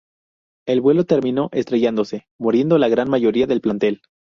El vuelo terminó estrellándose, muriendo la gran mayoría del plantel.